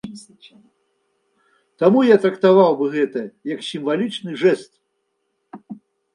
Таму я трактаваў бы гэта як сімвалічны жэст.